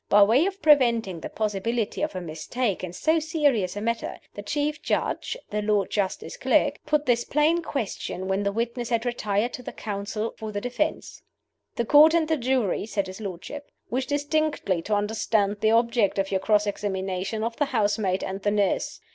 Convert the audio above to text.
By way of preventing the possibility of a mistake in so serious a matter, the Chief Judge (the Lord Justice Clerk) put this plain question, when the witnesses had retired, to the Counsel for the defense: "The Court and the jury," said his lordship, "wish distinctly to understand the object of your cross examination of the housemaid and the nurse.